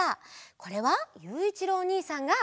これはゆういちろうおにいさんが。